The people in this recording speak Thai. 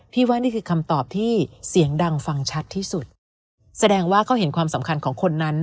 ว่านี่คือคำตอบที่เสียงดังฟังชัดที่สุดแสดงว่าเขาเห็นความสำคัญของคนนั้น